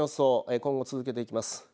今後、続けていきます。